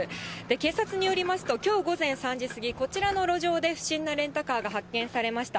警察によりますと、きょう午前３時過ぎ、こちらの路上で不審なレンタカーが発見されました。